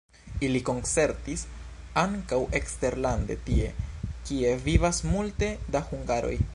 Ili koncertis ankaŭ eksterlande tie, kie vivas multe da hungaroj.